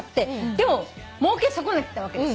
でももうけ損ねてたわけです